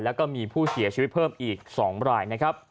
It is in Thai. แล้วก็มีผู้เสียชีวิตเพิ่มอีก๒รายนะครับ